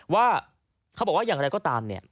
ว่าเขาบอกว่าอย่างไรก็ตามเนี่ย